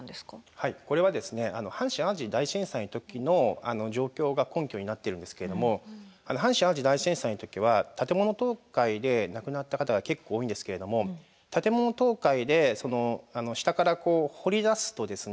はいこれはですね阪神・淡路大震災の時の状況が根拠になっているんですけれども阪神・淡路大震災の時は建物倒壊で亡くなった方が結構多いんですけれども建物倒壊で下から掘り出すとですね